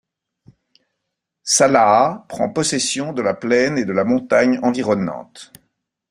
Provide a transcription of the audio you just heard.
Salah prend possession de la plaine et de la montagne environnante.